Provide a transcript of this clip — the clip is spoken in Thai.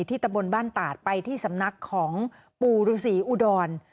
ตะบนบ้านตาดไปที่สำนักของปู่ฤษีอุดร